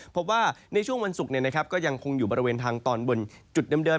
พบว่าในช่วงวันศุกร์ก็ยังคงอยู่บริเวณทางตอนบนจุดเดิม